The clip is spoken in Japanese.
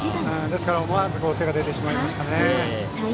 ですから、思わず手が出てしまいましたね。